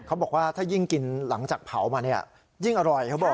เขาบอกว่าถ้ายิ่งกินหลังจากเผามาเนี่ยยิ่งอร่อยเขาบอก